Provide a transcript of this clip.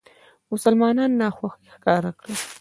مسلمانانو ناخوښي ښکاره کړه.